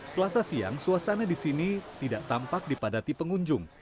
selasa siang suasana di sini tidak tampak dipadati pengunjung